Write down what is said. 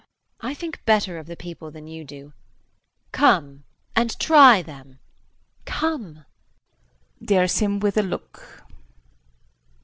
JULIE. I think better of the people than you do. Come and try them come! [Dares him with a look.